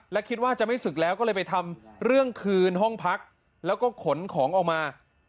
และคิดว่าจะไม่ศึกแล้วก็เลยไปทำเรื่องคืนห้องพักแล้วก็ขนของออกมา